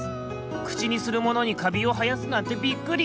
くちにするものにカビをはやすなんてびっくり！